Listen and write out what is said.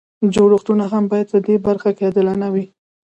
جوړښتونه هم باید په دې برخه کې عادلانه وي.